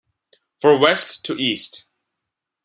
For west to east.